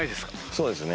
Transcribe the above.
そうですね。